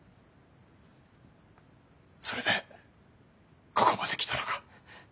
それでここまで来たのか？